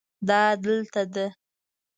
دا دلته ده